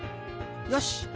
よし。